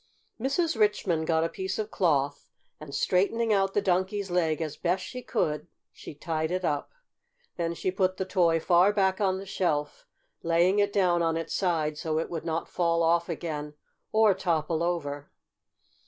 Mrs. Richmond got a piece of cloth, and, straightening out the Donkey's leg as best she could, she tied it up. Then she put the toy far back on the shelf, laying it down on its side so it would not fall off again, or topple over.